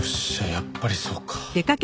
やっぱりそうか。